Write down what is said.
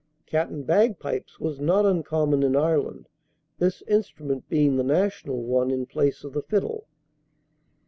Cat and Bagpipes. Was not uncommon in Ireland, this instrument being the national one in place of the fiddle.